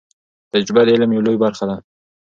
تجربه د علم یو لوی برخه ده.